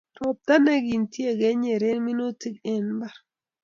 roptaa kintee konyeren minutik en mbar